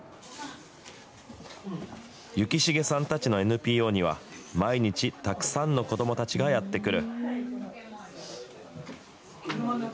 幸重さんたちのＮＰＯには、毎日たくさんの子どもたちがやって来る。